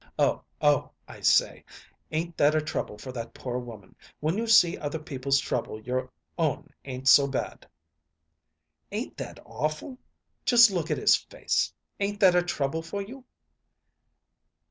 "Oh oh! I say, ain't that a trouble for that poor woman? When you see other people's trouble your own ain't so bad." "Ain't that awful? Just look at his face! Ain't that a trouble for you?"